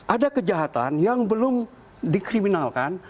ada kejahatan yang belum dikriminalkan